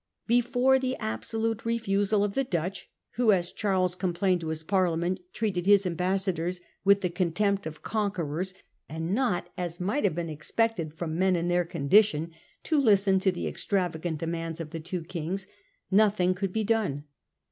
Before the absolute refusal of the Dutch — who, as Charles complained to his Parlia ment, treated his ambassadors ' with the contempt of con querors, and not as might have been expected from men in their condition *— to listen to the extravagant demands of the two Kings, nothing could be done.